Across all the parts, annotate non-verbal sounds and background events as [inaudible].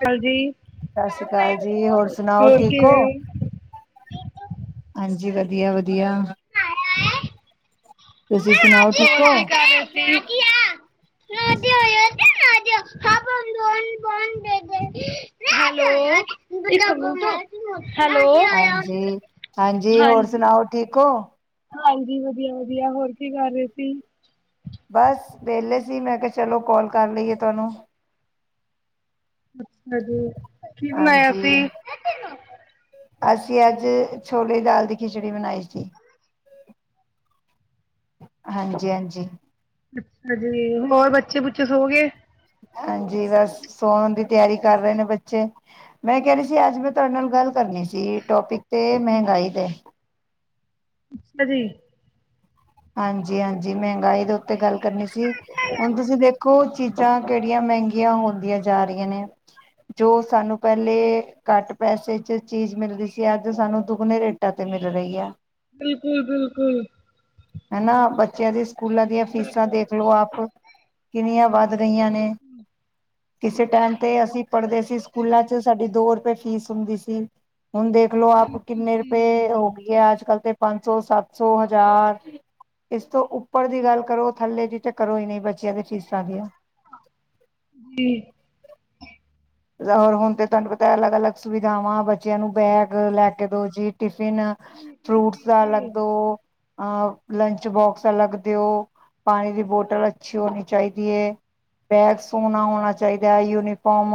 ਹਾਂਜੀ ਸੱਸਰੀ ਕਾਲ ਜੀ। ਹੋਰ ਸੁਣਾਓਠੀਕ ਹੋ? ਹਾਂਜੀ ਵਧੀਆ-ਵਧੀਆ [unintelligible] ਤੁਸੀਂ ਸੁਣਾਓ ਠੀਕ ਹੋ। ਠੀਕ ਈ ਆ [unintelligible] [inaudible] ਹੈਲੋ ਹੈਲੋ ਹਾਂਜੀ-ਹਾਂਜੀ ਹੋਰ ਹਾਂਜੀ ਸੁਣਾਓ ਠੀਕ ਹੋ। ਹਾਂਜੀ ਵਧੀਆ-ਵਧੀਆ ਹੋਰ ਕੀ ਕਰ ਰਹੇ ਸੀ। ਬਸ ਵਿਹਲੇ ਸੀ। ਮੈਂ ਕਿਹਾ ਚਲੋ ਕਾਲ ਕਰ ਲਈਏ ਤੁਹਾਨੂੰ। ਅੱਛਾ ਜੀ। ਕੀ ਬਣਾਇਆ ਹਾਂਜੀ ਸੀ? ਅਸੀਂ ਅੱਜ ਛੋਲੇ ਦੀ ਦਾਲ ਦੀ ਖਿਚੜੀ ਬਣਾਈ ਸੀ। ਹਾਂਜੀ-ਹਾਂਜੀ ਅੱਛਾ ਜੀ ਹੋਰ ਬੱਚੇ-ਬੁੱਚੇ ਸੋ ਗਏ। ਹਾਂਜੀ ਬੱਸ ਸੋਣ ਦੀ ਤਿਆਰੀ ਕਰ ਰਹੇ ਨੇਂ ਬੱਚੇ। ਮੈਂ ਕਹਿ ਰਹੀ ਸੀ ਅੱਜ ਮੈਂ ਤੁਹਾਡੇ ਨਾਲ ਗੱਲ ਕਰਨੀ ਸੀ ਟੋਪਿਕ ਤੇ ਮਹਿੰਗਾਈ ਤੇ ਅੱਛਾ ਜੀ। ਹਾਂਜੀ-ਹਾਂਜੀ ਮਹਿੰਗਾਈ ਦੇ ਉੱਤੇ ਗੱਲ ਕਰਨੀ ਸੀ। ਹੁਣ ਤੁਸੀਂ ਦੇਖੋ ਚੀ ਚੀਜ਼ਾਂ ਕਿਹੜੀਆਂ ਮਹਿੰਗੀਆਂ ਹੁੰਦੀਆਂ ਜਾ ਰਹੀਆਂ ਨੇ ਜੋ ਸਾਨੂੰ ਪਹਿਲੇ ਘੱਟ ਪੈਸੇ ਚ ਚੀਜ਼ ਮਿਲਦੀ ਸੀ ਅੱਜ ਸਾਨੂੰ ਦੁੱਗਣੇ ਰੇਟਾਂ ਤੇ ਮਿਲ ਰਹੀ ਐ ਬਿਲਕੁਲ-ਬਿਲਕੁਲ ਹਨਾਂ ਬੱਚਿਆਂ ਦੇ ਸਕੂਲਾਂ ਦੀਆਂ ਫੀਸਾਂ ਬਿਲਕੁਲ ਦੇਖਲੋ ਆਪ ਕਿੰਨੀਆਂ ਵੱਧ ਗਈਆਂ ਨੇ ਕਿਸੇ ਟਾਈਮ ਤੇ ਅਸੀਂ ਪੜ੍ਹਦੇ ਸੀ ਸਕੂਲਾਂ ਚ ਸਾਡੀ ਦੋ ਰੁਪਏ ਫੀਸ ਹੁੰਦੀ ਸੀ। ਹੁਣ ਦੇਖਲੋ ਆਪ ਬਿਲਕੁਲ ਕਿੰਨੇ ਸਹੀ ਗੱਲ ਰੁਪਏ ਹੈ। ਹੋ ਗਈ ਅੱਜ-ਕੱਲ੍ਹ ਤੇ ਪੰਜ ਸੌ, ਸੱਤ ਸੌ, ਹਜ਼ਾਰ ਇਸ ਤੋਂ ਉੱਪਰ ਦੀ ਗੱਲ ਕਰੋ ਥੱਲੇ ਦੀ ਤਾਂ ਕਰੋ ਹੀ ਨਹੀਂ ਬੱਚਿਆਂ ਦੇ ਫੀਸਾਂ ਦੀਆਂ ਜੀ ਹੋਰ ਹੁਣ ਤੇ ਤੁਹਾਨੂੰ ਪਤਾ ਅਲੱਗ- ਅਲੱਗ ਸੁਵਿਧਾਵਾਂ ਬੱਚਿਆਂ ਨੂੰ ਬੈਗ ਲੈ ਕੇ ਦੋ ਜੀ ਟਿਫਿਨ ਬਿਲਕੁਲ ਫਰੂਟਸ ਦਾ ਅਲੱਗ ਬਿਲਕੁਲ ਦਿਓ, ਅ ਲੰਚ ਬੋਕਸ ਅਲੱਗ ਦਿਓ ਪਾਣੀ ਦੀ ਬੋਟਲ ਅੱਛੀ ਹੋਣੀ ਚਾਈਦੀ ਏ। ਬੈਗ ਸੋਹਣਾ ਹੋਣਾ ਚਾਈਦਾ। ਯੂਨੀਫੋਮ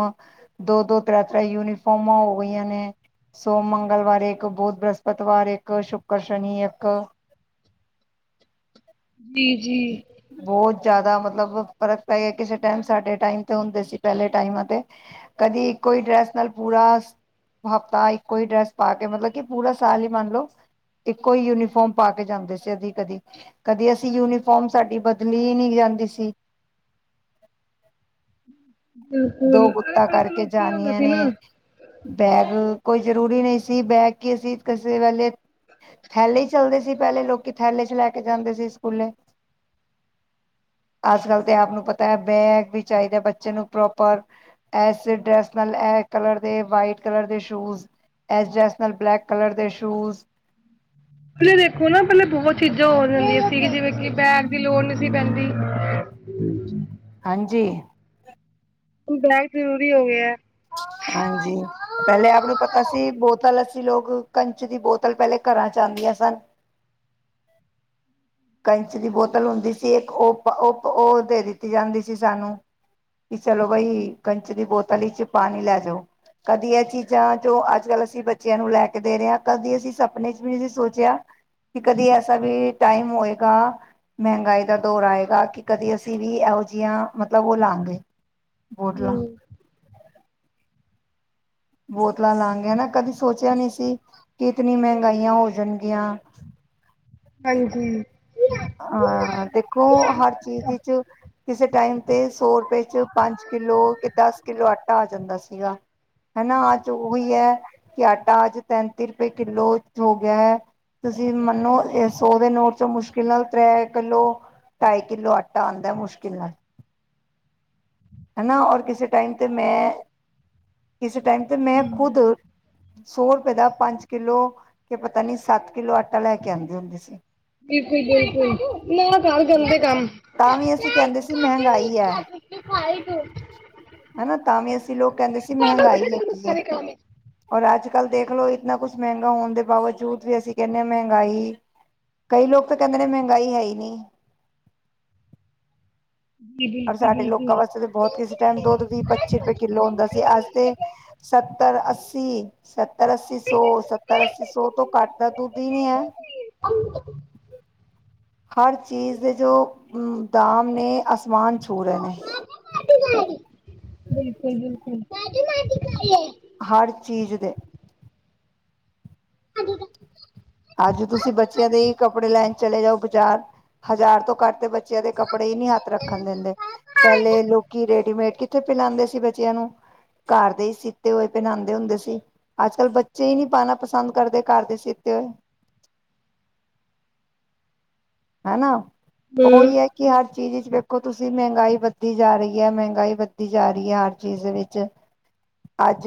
ਦੋ- ਦੋ, ਤਰੇ- ਤਰੇ ਯੂਨੀਫੋਮਾਂ ਹੋ ਗਈਆਂ ਨੇ ਸੋਮ, ਮੰਗਲਵਾਰ ਇੱਕ ਬੁਧ, ਬ੍ਰਹਸਪਤਵਾਰ ਇੱਕ ਸ਼ੁਕਰ, ਸ਼ਨੀ ਇੱਕ ਬੀਜੀ। ਬਹੁਤ ਜ਼ਿਆਦਾ ਮਤਲਬ ਫਰਕ ਪੈ ਗਿਆ ਕਿਸੇ ਟਾਈਮ ਸਾਡੇ ਟਾਈਮ ਤੇ ਹੁੰਦੇ ਸੀ ਪਹਿਲੇ ਟਾਈਮਾਂ ਤੇ ਕਦੀ ਇੱਕੋ ਹੀ ਡਰੈਸ ਨਾਲ ਪੂਰਾ ਹਫ਼ਤਾ ਇੱਕੋ ਹੀ ਡਰੈਸ ਪਾ ਕੇ ਮਤਲਬ ਕਿ ਪੂਰਾ ਸਾਲ ਹੀ ਮੰਨ ਲਓ ਇੱਕੋ ਈ ਯੂਨੀਫੋਮ ਪਾ ਕੇ ਜਾਂਦੇ ਸੀ ਅਦੀ ਕਦੀ-ਕਦੀ ਅਸੀਂ ਯੂਨੀਫੋਮ ਸਾਡੀ ਬਦਲੀ ਨਈ ਜਾਂਦੀ ਸੀ। ਦੋ ਬਿਲਕੁਲ ਅਰੇ ਗੱਤਾਂ ਪਹਿਲੇ ਤਾਂ ਕਰਕੇ ਲੋਕ ਕੀ ਹੁੰਦਾ ਜਾਣੀਆਂ ਸੀ ਨਾ ਨੇ ਬੈਗ ਕੋਈ ਜ਼ਰੂਰੀ ਨਈ ਸੀ ਬੈਗ ਕੀ ਅਸੀਂ ਕਿਸੇ ਵੇਲੇ ਥੈਲੇ ਈ ਚੱਲਦੇ ਸੀ ਪਹਿਲੇ ਲੋਕੀ ਥੈਲੇ ਚ ਲੈ ਕੇ ਜਾਂਦੇ ਸੀ ਸਕੂਲੇ ਅੱਜ-ਕੱਲ ਤੇ ਆਪ ਨੂੰ ਪਤਾ ਐ, ਬੈਗ ਵੀ ਚਾਈਦਾ ਬੱਚੇ ਨੂੰ ਪ੍ਰੋਪ ਪਰ ਇਸੇ ਡਰੈਸ ਨਾਲ ਇਹ ਕਲਰ ਦੇ ਵਾਈਟ ਕਲਰ ਦੇ ਸ਼ੂਜ ਪ ਐਸ ਡਰੈੱਸ ਨਾਲ ਬਲੈਕ ਕਲਰ ਦੇ ਸ਼ੂਜ਼ ਪਹਿਲੇ ਦੇਖੋ ਨਾ ਪਹਿਲਾਂ ਬਹੁਤ ਚੀਜ਼ਾਂ ਹੋ ਜਾਂਦੀਆਂ ਸੀ ਜਿਵੇਂ ਕਿ ਬੈਗ ਦੀ ਲੋੜ ਨਈ ਸੀ ਪੈਂਦੀ। [inaudible] ਹਾਂਜੀ। ਹੁਣ ਬੈਗ ਜ਼ਰੂਰੀ ਹੋ ਗਿਆ ਐ। ਹਾਂਜੀ। ਪਹਿਲੇ ਆਪ ਨੂੰ ਪਤਾ ਸੀ ਬੋਤਲ ਅਸੀਂ ਲੋਕ ਕੰਚ ਦੀ ਬੋਤਲ ਪਹਿਲੇ ਘਰਾਂ ਚ ਆਂਦੀਆਂ ਸਨ। ਕੰਚ ਦੀ ਬੋਤਲ ਹੁੰਦੀ ਸੀ ਇੱਕ ਓਪ-ਓਪ ਉਹ ਦੇ ਦਿੱਤੀ ਜਾਂਦੀ ਸੀ ਸਾਨੂੰ ਵੀ ਚਲੋ ਬਾਈ ਕੰਚ ਦੀ ਬੋਤਲ ਵਿੱਚ ਪਾਣੀ ਲੈ ਜਾਓ। ਕਦੀ ਇਹ ਚੀਜ਼ਾਂ ਜੋ ਅੱਜ-ਕੱਲ੍ਹ ਅਸੀਂ ਬੱਚਿਆਂ ਨੂੰ ਲੈ ਕੇ ਦੇ ਰਹੇ ਹਾਂ ਕਦੀ ਅਸੀਂ ਸਪਨਿਆ ਵਿਚ ਵੀ ਨਈ ਸੋਚਿਆ। ਕਿ ਕਦੀ ਐਸਾ ਵੀ ਟਾਈਮ ਹੋਏ ਗਾ, ਮਹਿੰਗਾਈ ਦਾ ਦੌਰ ਆਏਗਾ ਕਿ ਕਦੇ ਅਸੀਂ ਵੀ ਇਹੋ ਜਿਹੀਆਂ ਮਤਲਬ ਉਹ ਲਾਗੇ। ਬੋਤਲਾ ਹੂੰ, ਬੋਤਲਾਂ ਲਾਗੇ ਨਾ ਕਦੀ ਸੋਚਿਆ ਨੀ ਸੀ ਕਿ ਇਤਨੀ ਮਹਿੰਗਾਈਆਂ ਹੋ ਜਾਣਗੀਆਂ। ਹਾਂਜੀ। ਹਾਂ ਦੇਖੋ ਹਰ ਚੀਜ਼ ਚ ਕਿਸੇ ਟਾਈਮ ਤੇ ਸੌ ਰੁਪਏ 'ਚ ਪੰਜ ਕਿੱਲੋ ਕਿ ਦਸ ਕਿੱਲੋ ਆਟਾ ਆ ਜਾਂਦਾ ਸੀਗਾ। ਹਨਾ ਅੱਜ ਉਹੀ ਹੈ ਕਿ ਆਟਾ ਅੱਜ ਤੈਂਤੀ ਰੁਪਏ ਕਿੱਲੋ ਚ ਹੋ ਗਿਆ ਐ। ਤੁਸੀਂ ਮੰਨੋ ਇਹ ਸੋ ਦੇ ਨੋਟ ਚੋਂ ਮੁਸ਼ਕ ਕਿੰਨਾ ਉਤਰਿਆ ਕਿੱਲੋ ਢਾਈ ਕਿੱਲੋ ਆਟਾ ਆਦਾ ਮੁਸ਼ਕਿਲ ਨਾਲ ਹਨਾ ਔਰ ਕਿਸੇ ਟਾਈਮ ਤੇ ਮੈਂ, ਕਿਸੇ ਟਾਈਮ ਤੇ ਮੈਂ ਖੁਦ ਸੌ ਰੁਪਏ ਦਾ ਪੰਜ ਕਿਲੋ ਕੇ ਪਤਾ ਨੀ ਸੱਤ ਕਿਲੋ ਆਟਾ ਲੈ ਕੇ ਆਦੀ ਹੁੰਦੀ ਸੀ। ਬਿਲਕੁਲ ਬਿਲਕੁਲ, ਨਾ ਨਾ ਸਾਰੇ ਗੰਦੇ ਕੰਮ ਤਾਂ ਵੀ ਅਸੀਂ ਕਹਿੰਦੇ ਸੀ ਤੇ ਖਾਏ ਕੇਓ ਹੈਨਾ ਤਾਂ ਵੀ ਅਸੀ ਲੋਕ ਕੈਂਦੇ ਸੀ ਮਹੰਗਾਈ ਹੈਗੀ ਐ। ਔਰ ਅੱਜ ਕੱਲ੍ਹ ਦੇਖ ਲੋ ਇਤਨਾ ਕੁਛ ਮੈਂਗਾ ਹੋਨ ਦੇ ਬਾਵਜੂਦ ਵੀ ਅਸੀ ਕੈਨੇ ਆਂ ਮਹੰਗਾਈ ਕਈ ਲੋਕ ਤੇ ਕੈਂਦੇ ਨੇ ਮੈਂਗਾਈ ਹੈ ਈ ਨਈ। ਜੀ ਅਰ ਬਿਲਕੁਲ ਸਾਡੇ ਲੋਕਾਂ ਵਾਸਤੇ ਬਿਲਕੁਲ ਤੇ ਬੋਤ ਕਿਸੇ ਟੈਮ ਦੋਧ ਵੀ ਪੱਚੀ ਰੁਪੇ ਕਿੱਲੋ ਹੁੰਦਾ ਸੀ ਅਜ ਤੇ ਸੱਤਰ ਅੱਸੀ ਸ ਸੱਤਰ ਅੱਸੀ ਸੌ ਸੱਤਰ ਅੱਸੀ ਸੌ ਤੋਂ ਘੱਟ ਦਾ ਦੁੱਧ ਈ ਨੀ ਹੈ। [inaudible] ਹਰ ਚੀਜ਼ ਦੇ ਜੋ ਦਾਮ ਨੇ ਅਸਮਾਨ ਛੂ ਰੇਨੇ। ਬਿਲਕੁਲ ਬਿਲਕੁਲ। ਹਰ ਚੀਜ਼ ਦੇ। [inaudible] ਅੱਜ ਤੁਸੀਂ ਬੱਚੇਆਂ ਦੇ ਈ ਕੱਪੜੇ ਲੈਣ ਚਲੇ ਜਾਓ ਬਜਾਰ ਹਜ਼ਾਰ ਤੋਂ ਘੱਟ ਤੇ ਬੱਚੇਆਂ ਦੇ ਕੱਪੜੇ ਈ ਨੀ ਹੱਥ ਰੱਖਣ ਦਿੰਦੇ। ਪੈਲੇ ਲੋਕੀ ਰੇਡੀਮੇਡ ਕਿੱਥੇ ਪੇਨਾਂਦੇ ਸੀ ਬੱਚੇਆਂ ਨੂੰ ਘਰ ਦੇ ਈ ਸੀਤੇ ਹੋਏ ਪੇਨਾਂਦੇ ਹੁੰਦੇ ਸੀ। ਅੱਜ ਕੱਲ ਬੱਚੇ ਈ ਨੀ ਪਾਨਾ ਪਸੰਦ ਕਰਦੇ ਘਰ ਦੇ ਸਿਤੇ ਹੋਏ। ਹੈਨਾ। ਹੂੰ ਓਈ ਐ ਕਿ ਹਰ ਚੀਜ਼ ਵਿੱਚ ਵੇਖੋ ਤੁਸੀਂ ਮਹੰਗਾਈ ਵੱਧੀ ਜਾ ਰੀ ਐ। ਮਹੰਗਾਈ ਵੱਧੀ ਜਾ ਰੀ ਐ ਹਰ ਚੀਜ਼ ਵਿੱਚ। ਅੱਜ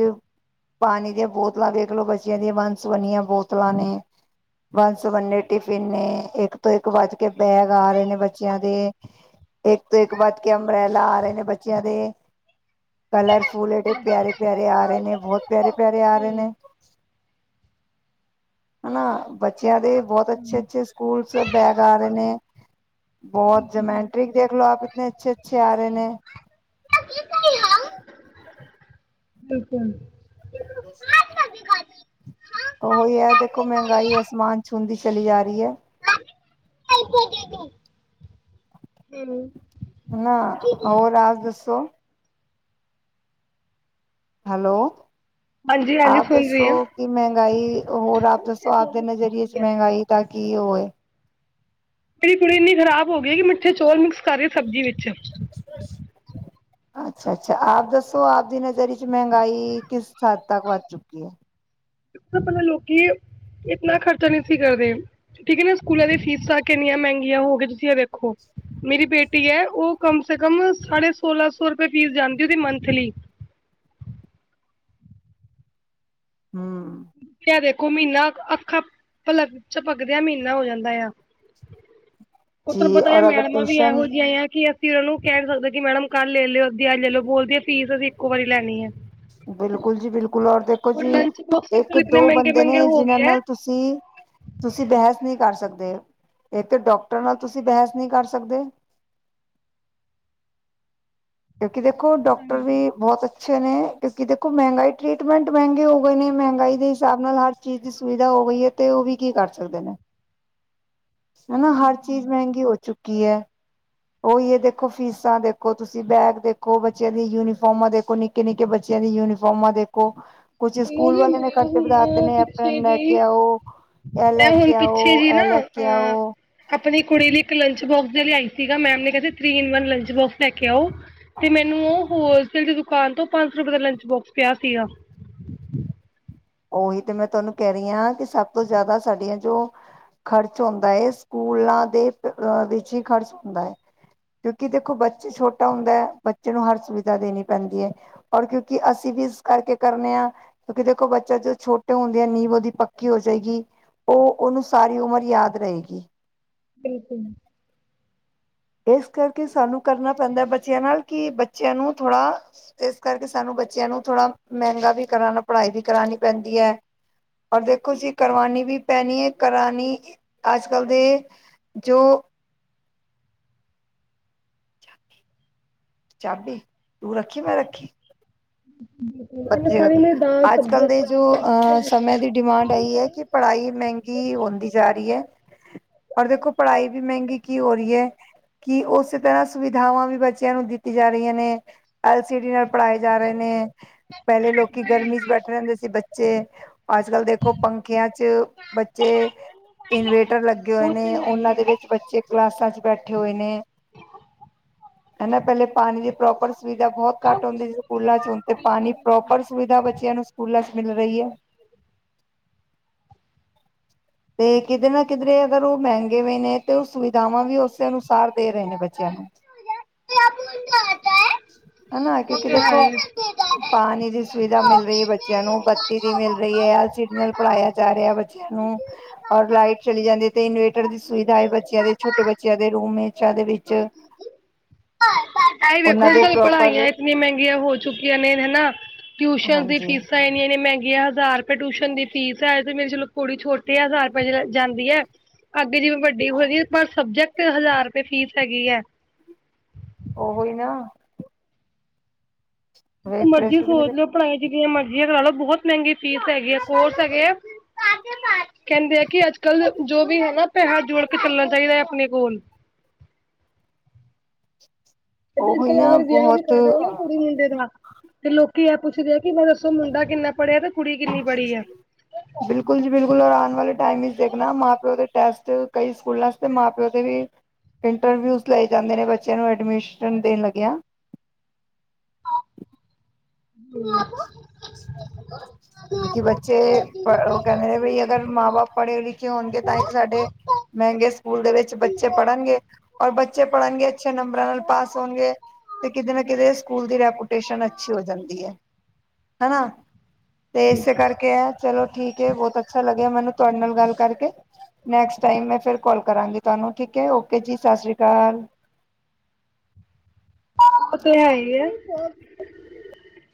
ਪਾਣੀ ਦੀਆਂ ਬੋਤਲਾਂ ਵੇਖ ਲੋ ਬੱਚੇਆਂ ਦੀਆਂ ਵੰਨ ਸਵੰਨੀਆਂ ਬੋਤਲਾਂ ਨੇ ਵਨ ਸਵੰਨੇ ਟਿਫਿਨ ਨੇ, ਏਕ ਤੋਂ ਏਕ ਵੱਧ ਕੇ ਬੈਗ ਆ ਰੇ ਨੇ ਬੱਚੇਆਂ ਦੇ। ਏਕ ਤੋਂ ਏਕ ਵੱਧ ਕੇ ਅੰਬਰੈਲਾ ਆ ਰੇ ਨੇ ਬੱਚੇਆਂ ਦੇ। ਕਲਰਫੁਲ ਐਡੇ ਪੇਆਰੇ -ਪੇਆਰੇ ਆ ਰੇ ਨੇ ਬੋਹਤ ਪੇਆਰੇ- ਪੇਆਰੇ ਆ ਰੇ ਨੇ। ਹਨਾ ਬੱਚੇਆਂ ਦੇ ਬੋਤ ਅੱਛੇ ਹੂੰ, -ਅੱਛੇ ਸਕੂਲ ਸ ਬੈਗ ਆ ਰੇ ਨੇ। ਬੋਤ ਜਮੈਟ੍ਰਿਕ ਦੇਖ ਲੋ ਆਪ ਇਤਨੇ ਅੱਛੇ ਅੱਛੇ ਆ ਰੇ ਨੇ। ਬਿਲਕੁਲ। ਓਈ ਐ ਦੇਖੋ, ਮੈਂਗਾਈ ਅਸਮਾਨ ਛੂੰਦੀ ਚਲੀ ਜਾ ਰੀ ਐ। ਹੂੰ। ਨਾ ਹੋਰ ਰਾਜ ਦੱਸੋ? ਹੈਲੋ। ਹਾਂਜੀ ਹਾਂਜੀ ਆਪ ਸੁਣ ਰਹੀ ਦੱਸੋ ਹਾਂ ਕਿ ਮੈਂਗਾਈ ਹੋਰ ਆਪ ਦੱਸੋ? ਸੋ ਆਪ ਦੇ ਨਜ਼ਰੀਏ ਚ ਮੈਂਗਾਈ ਦਾ ਕੀ ਓ ਏ? ਤੇਰੀ ਕੁੜੀ ਏਨੀ ਖਰਾਬ ਹੋ ਗਈ ਏਕਿ ਮਿੱਠੇ ਚੌਲ ਮਿਕਸ ਕਰ ਰੀ ਐ ਸਬਜ਼ੀ ਵਿੱਚ। ਸਪਸ਼। ਅੱਛਾ ਅੱਛਾ ਆਪ ਦੱਸੋ ਆਪ ਦੀ ਨਜ਼ਰ ਚ ਮੈਂਗਾਈ ਕਿਸ ਹੱਦ ਤੱਕ ਵੱਧ ਚੁੱਕੀ ਐ? ਪੈਲਾਂ ਲੋਕੀ ਇਤਨਾ ਖ਼ਰਚਾ ਨੀ ਸੀ ਕਰਦੇ। ਠੀਕ ਏ ਨਾ ਸਕੂਲਾਂ ਦੀ ਫੀਸਾਂ ਕਿੰਨੀਆਂ ਮੈਂਗੀਆਂ ਹੋ ਗਈ ਤੁਸੀ ਐ ਵੇਖੋ। ਮੇਰੀ ਬੇਟੀ ਐ ਓ ਕਮ ਸੇ ਕਮ ਸਾਢੇ ਸੋਲਾਂ ਸੌ ਰੁਪੇ ਫੀਸ ਜਾਂਦੀ ਓਦੀ ਮੰਥਲੀ। ਹੂੰ। ਤੁਸੀ ਐ ਦੇਖੋ ਮੀਨਾ ਅੱਖਾਂ ਪਲ ਚ ਚਪਕਦੇਆਂ ਮੀਨਾ ਹੋ ਜਾਂਦਾ ਐ। [inaudible] ਓ ਤੋਨੂੰ ਪਤਾ ਐ ਔਰ ਅਗਰ ਮੈਡਮਾਂ ਵੀ ਟਿਊਸ਼ਨ ਐਹੋ ਜਿਆਂ ਐ ਕਿ ਕਿ ਓਨਾਂ ਨੂੰ ਕੈ ਨੀ ਸਕਦੇ ਕਿ ਮੈਡਮ ਕੱਲ ਲੈ ਲਓ ਅੱਧੀ ਅੱਜ ਲੈ ਲੋ ਬੋਲਦੀ ਏ ਫੀਸ ਵੀ ਇੱਕੋ ਵਾਰੀ ਲੈਨੀ ਐ। ਬਿਲਕੁਲ ਜੀ ਬਿਲਕੁਲ ਔਰ ਦੇਖੋ ਹੁਣ ਜੀ ਲੰਚ ਬੋਕਸ ਇੱਕ ਇਤਨੇ ਦੋ ਮੈਂਗੇ ਬੰਦੇ ਮੈਂਗੇ ਨੇ ਜਿਨਾਂ ਹੋਗੇ ਐ। ਨਾਲ ਤੁਸੀਂ ਤੁਸੀਂ ਬੈਹਸ ਨਈ ਕਰ ਸਕਦੇ, ਏਕ ਡਾਕਟਰ ਨਾਲ ਤੁਸੀਂ ਬੈਹਸ ਨਈ ਕਰ ਸਕਦੇ। ਕਿਉਂਕਿ ਦੇਖੋ ਡਾਕਟਰ ਵੀ ਬੋਹਤ ਅ ਅੱਛੇ ਨੇ ਕਿਉਂਕਿ ਦੇਖੋ ਮਹਿੰਗਾਈ ਟਰੀਟਮੈਂਟ ਮਹਿੰਗੇ ਹੋ ਗਏ ਨੇ ਮਹਿੰਗਾਈ ਦੇ ਹਿਸਾਬ ਨਾਲ ਹਰ ਚੀਜ਼ ਦੀ ਸੁਵਿਧਾ ਹੋ ਗਈ ਐ ਤੇ ਉਹ ਵੀ ਕੀ ਕਰ ਸਕਦੇ ਨੇ ਹਨਾ ਹਰ ਚੀਜ਼ ਮਹਿੰਗੀ ਹੋ ਚੁੱਕੀ ਐ। ਓਈ ਏਹ ਦੇਖੋ ਫੀਸਾਂ ਦੇਖੋ ਤੁਸੀਂ ਬੈਗ ਦੇਖੋ ਬੱਚਿਆਂ ਦੀ ਯੂਨੀਫਾਰਮਾਂ ਦੇਖੋ ਨਿੱ ਨਿੱਕੇ-ਨਿੱਕੇ ਬੱਚਿਆਂ ਦੀ ਯੂਨੀਫਾਰਮਾਂ ਦੇਖੋ। ਕੁਛ ਮੈਨੂੰ ਸਕੂਲ ਵੀ ਵਾਲੇ ਨੇ ਮੈਂ ਖਰਚੇ ਵਧਾਤੇ ਹੁਣ ਨੇ ਪਿੱਛੇ ਏਪਰਨ ਲੈ ਜਿਹੀ ਕੇ ਆਓ। ਐ ਲੈ ਮੈਂ ਹੁਣ ਕੇ ਪਿੱਛੇ ਆਓ, ਜੀ ਨਾ ਐ ਲੈ ਕੇ ਅ ਆਓ। ਆਪਣੀ ਕੁੜੀ ਲਈ ਇੱਕ ਲੰਚ ਬੋਕਸ ਦੇ ਲਿਆਈ ਸੀਗਾ ਮੈਮ ਨੇ ਕਹਦੇ three in one lunch box ਲੈ ਕੇ ਆਓ। ਤੇ ਮੈਨੂੰ ਓ ਹੋਲਸੇਲ ਦੀ ਦੁਕਾਨ ਤੋਂ ਪੰਜ ਸੌ ਦਾ ਲੰਚ ਬੋਕਸ ਪਿਆ ਸੀਗਾ। [inaudible] ਓਹੀ ਤੇ ਮੈਂ ਤੁਹਾਨੂੰ ਕੈ ਰਈ ਆ ਕਿ ਸਭ ਤੋਂ ਜਾਦਾ ਸਾਡੀ ਜੋ ਖ਼ਰਚ ਹੁੰਦਾ ਏ ਸਕੂਲਾਂ ਦੇ ਅ ਵਿੱਚ ਈ ਖਰਚ ਹੁੰਦਾ ਏ। ਕਿਉਂਕਿ ਦੇਖੋ ਬੱਚੇ ਛੋਟਾ ਹੁੰਦਾ ਐ ਬੱਚੇ ਨੂੰ ਹਰ ਸੁਵਿਧਾ ਦੇਣੀ ਪੈਂਦੀ ਐ। ਔਰ ਕਿਉਂਕਿ ਅਸੀਂ ਵੀ ਇਸ ਕਰਕੇ ਕਰਨੇ ਕਿਉਂਕਿ ਦੇਖੋ ਬ ਚਾ ਜਦੋਂ ਛੋਟੇ ਹੁੰਦੇ ਆ ਨੀਂਬ ਉਹਦੀ ਪੱਕੀ ਹੋ ਜਾਏਗੀ ਓ ਓਨੂੰ ਸਾਰੀ ਉਮਰ ਯਾਦ ਰਹੇਗੀ। ਬਿਲਕੁਲ। ਏਸ ਕਰਕੇ ਸਾਨੂੰ ਕਰਨਾ ਪੈਂਦਾ ਬੱਚਿਆਂ ਨਾਲ ਕਿ ਬੱਚਿਆਂ ਨੂੰ ਥੋੜ੍ਹਾ ਏਸ ਕਰਕੇ ਸਾਨੂੰ ਬੱਚਿਆਂ ਨੂੰ ਥੋੜ੍ਹਾ ਮਹਿੰਗਾ ਵੀ ਕਰਾਣਾ ਪੜ੍ਹਾਈ ਵੀ ਕਰਾਣੀ ਪੈਂਦੀ ਆ। ਪਰ ਦੇਖੋ ਜੀ ਕਰਵਾਣੀ ਵੀ ਪੈਣੀ ਏ ਕਰਾਣੀ ਅੱਜ- ਕੱਲ ਦੇ ਜੋ ਚਾਬੀ, ਤੂੰ ਰੱਖੀ ਮੈਂ ਰੱਖੀ। ਇਹਨੇ ਬੱਚੇ ਦਾ ਸਾਰੀ ਤਾ, ਨੇ ਦਾਲ ਅੱਜ-ਕੱਲ ਸਬਜ਼ੀਆਂ ਦੇ ਜੋ ਅਹ ਸਮੇ ਦੀ ਡਿਮਾਂਡ ਐਈ ਐ ਕਿ ਪੜ੍ਹਾਈ ਮੈਂਗੀ ਹੁੰਦੀ ਜਾ ਰਹੀ ਐ। ਔਰ ਦੇਖੋ ਪੜ੍ਹਾਈ ਵੀ ਮਹਿੰਗੀ ਕੀ ਹੋ ਰਹੀ ਏ। ਕਿ ਓਸੇ ਤਰ੍ਹਾਂ ਸੁਵਿਧਾਵਾਂ ਵੀ ਬੱਚਿਆਂ ਨੂੰ ਦਿੱਤੀ ਜਾ ਰਹੀਆਂ ਨੇ ਐਲ ਸੀ ਡੀ ਨਾਲ ਪੜਾਏ ਜਾ ਰਹੇ ਨੇ, ਪੈਲੇ ਲੋਕੀ ਗਰਮੀ 'ਚ ਬੈਠੇ ਰੈਂਦੇ ਸੀ ਬੱਚੇ ਅੱਜ-ਕੱਲ ਦੇਖੋ ਪੰਖੀਆਂ ਚ ਬੱਚੇ ਇਨਵੇਟਰ ਲੱਗੇ ਹੋਏ ਉਹ ਨੇ ਤੇ ਹੈ ਓਨਾਂ ਹੀ। ਦੇ ਵਿੱਚ ਬੱਚੇ ਕਲਾਸਾਂ ਚ ਬੈਠੇ ਹੋਏ ਨੇ। ਹੈਨਾ ਪੈਲੇ ਪਾਨੀ ਦੀ ਪ੍ਰੋਪਰ ਸੁਵਿਧਾ ਬੋਹਤ ਕੱਟ ਹੁੰਦੀ ਸਕੂਲਾਂ ਚ ਹੁੰਣ ਤੇ ਪਾਨੀ ਪੋਪਰ ਸੁਵਿਧਾ ਬੱਚਿਆਂ ਨੂੰ ਸਕੂਲਾਂ 'ਚ' ਮਿਲ ਰੀ ਏ। [inaudible] ਤੇ ਕਿਧਰੇ ਨਾ ਕਿਧਰੇ ਅਗਰ ਓ ਮੈਂਗੇ ਵੀ ਨੇ ਤੇ ਓ ਸੁਵਿਧਾਵਾਂ ਵੀ ਓਸੇ ਅਨੁਸਾਰ ਦੇ ਰਹੇ ਨੇ ਬੱਚਿਆਂ ਨੂੰ ਹਨਾ ਉਹ ਕਿਉਂਕਿ ਤੇ ਦੇਖੋ ਹੈ ਪਾਨੀ ਦੀ ਸੁਵਿਧਾ ਮਿਲ ਰੀ ਐ ਬੱਚਿਆਂ ਨੂੰ ਬੱਤੀ ਦੀ ਮਿਲ ਰੀ ਐ। ਐਲ ਸੀਲ ਪੜ੍ਹਾਇਆ ਜਾ ਰਿਆ ਬੱਚਿਆਂ ਨੂੰ ਔਰ ਹੀ। ਲਾਈਟ ਚਲੀ ਜਾਂਦੀ ਏ ਤੇ ਇਨਵੇਟਰ ਦੀ ਸੁਵਿਧਾ ਐ ਬੱਚਿਆਂ ਦੇ ਛੋਟੇ ਬੱਚਿਆਂ ਦੇ ਰੂਮ ਮੇਚਾ ਦੇ ਵਿੱਚ [inaudible] ਆ ਈ ਵੇਖੋ ਉਹਨਾਂ ਦੇ ਅੱਜ-ਕੱਲ ਪ੍ਰੋਪਰ ਪੜਾਈਆ ਏਨੀਆਂ ਮੈਂਗੀਆਂ ਹੋ ਚੁੱਕੀਆਂ ਨੇ ਹਨਾ ਟਿਊਸ਼ਨ ਦੀ ਹਾਂਜੀ ਫੀਸਾਂ ਏਨੀਆਂ-ਏਨੀਆਂ ਮੈਂਗੀਆਂ ਹਜ਼ਾਰ ਟਿਊਸ਼ਨ ਦੀ ਫੀਸ ਐ ਤੇ ਮੇਰੇ ਚਲੋ ਕੁੜੀ ਛੋਟੀ ਤੇ ਹਜ਼ਾਰ ਰੁਪਏ ਜਾਂਦੀ ਐ ਅੱਗੇ ਜਿਵੇਂ ਵੱਡੀ ਹੋਗੀ ਪਰ ਸਬਜੈਕਟ ਟ ਹਜ਼ਾਰ ਰੁਪਏ ਫੀਸ ਹੈਗੀ ਐ। ਓਹੀ ਨਾ ਜਿਥੇ ਮਰਜ਼ੀ ਸੋਚ ਲੋ ਪੜ੍ਹਾਈ ਜਿਨੀਆਂ ਮਰਜ਼ੀਆਂ ਕਰਾ ਲੋ ਬੋਹਤ ਮੈੰਗੀ ਫੀਸ ਹੈਗੀ ਆ ਕੋਰਸ ਹੈ ਗੇ ਐ [unintelligible] ਕੈੰਦੇ ਆ ਕਿ ਅੱਜ-ਕੱਲ ਜੋ ਵੀ ਹੈਗਾ ਪੈਹਾ ਜੋੜ ਕੇ ਚੱਲਣਾ ਚਾਇਦਾ ਐ ਆਪਣੇ ਕੋਲ ਉਹੀ ਅੱਜ-ਕੱਲ ਨਾ ਅਗਰ ਵਿਆਹ ਵੀ ਬਹੁਤ ਕਰ ਰੇ ਓ ਨਾ ਕੁੜੀ ਮੁੰਡੇ ਦਾ ਤੇ ਲੋਕੀ ਐ ਪੁੱਛਦੇ ਆ ਕਿ ਮੈਂ ਦੱਸੋ ਮੁੰਡਾ ਕਿੰਨਾ ਪੜ੍ਹਿਆ ਤੇ ਕੁੜੀ ਕਿੰਨੀ ਪੜ੍ਹੀ ਐ। ਬਿਲਕੁਲ ਜੀ ਬਿਲਕੁਲ ਔਰ ਆਣ ਵਾਲੇ ਟਾਈਮ ਇਚ ਦੇਖਣਾ ਮਾਂ-ਪਿਓ ਦੇ ਟੈਸਟ ਕਈ ਸਕੂਲਾਂ ਚ ਤੇ ਮਾਂ-ਪਿਓ ਦੇ ਵੀ ਇੰਟਰਵਿਊਜ਼ ਲਏ ਜਾਂਦੇ ਨੇ ਬੱਚਿਆਂ ਨੂੰ ਐਡਮਿਸ਼ਨ ਦੇਣ ਲੱਗਿਆ। [unintelligible] [inaudible] ਕਿਉਂਕਿ ਬੱਚੇ ਓ ਕੈੰਦੇ ਨੇ ਵੀ ਅਗਰ ਮਾਂ-ਬਾਪ ਪੜ੍ਹੇ-ਲਿਖੇ ਹੋਣਗੇ ਤਾਂਈ ਤਾ ਸਾਡੇ ਮੈੰਗੇ ਸਕੂਲ ਦੇ ਵਿੱਚ ਬੱਚੇ ਪੜ੍ਹਨਗੇ ਔਰ ਬੱਚੇ ਪੜ੍ਹਨਗੇ ਅੱਛੇ ਨੰਬਰਾਂ ਨਾਲ ਪਾਸ ਹੋਣਗੇ ਤੇ ਕਿਤੇ ਨਾ ਕਿਤੇ ਸਕੂਲ ਦੀ ਰੈਪੋਟੇਸ਼ਨ ਅੱਛੀ ਹੋ ਜਾਂਦੀ ਐ ਹੈਨਾ। ਤੇ ਇਸੇ ਕਰਕੇ ਐ ਚਲੋ ਠੀਕ ਏ ਬੋਤ ਅੱਛਾ ਲੱਗਿਆ ਮੈਨੂੰ ਤੁਆਡੇ ਨਾਲ ਗੱਲ ਕਰਕੇ। ਨੈਕਸਟ ਟਾਈਮ ਮੈਂ ਫਿਰ ਕੋਲ ਕਰਾਂਗੀ ਤੁਆਨੂੰ ਠੀਕ ਏ ਓਕੇ ਜੀ ਸਾਸਰੀ ਕਾਲ। ਓ ਤੇ ਹੈ ਈ ਏ।